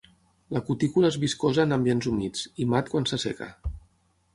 La cutícula és viscosa en ambients humits, i mat quan s'asseca.